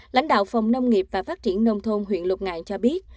lãnh đạo phòng nông nghiệp và phát triển nông thôn huyện lục ngạn cho biết